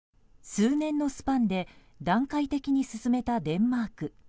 数年のスパンで段階的に進めたデンマーク。